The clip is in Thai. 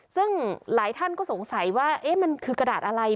ซึ่งหลายท่านก็สงสัยว่ามันคือกระดาษอะไร